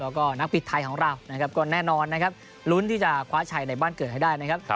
แล้วก็นักปิดไทยของเรานะครับก็แน่นอนนะครับลุ้นที่จะคว้าชัยในบ้านเกิดให้ได้นะครับ